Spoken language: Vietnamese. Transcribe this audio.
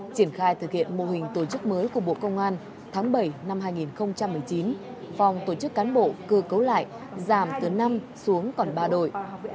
triển khai thực hiện mô hình tổ chức mới của bộ công an tháng bảy năm hai nghìn một mươi chín phòng tổ chức cán bộ cơ cấu lại giảm từ năm xuống còn ba đội